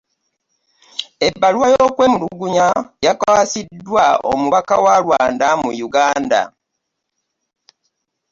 Ebbaluwa y'okwemulugunya yakwasiddwa omubaka wa Rwanda mu Uganda